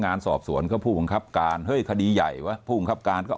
งานสอบสวนก็ผู้บังคับการเฮ้ยคดีใหญ่วะผู้บังคับการก็